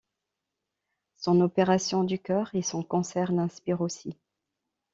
Son opération du cœur et son cancer l'inspirent aussi.